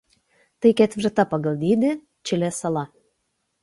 Tai ketvirta pagal dydį Čilės sala.